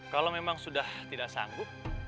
kalau memang sudah tidak sanggup